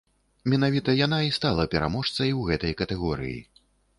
Менавіта яна і стала пераможцай у гэтай катэгорыі.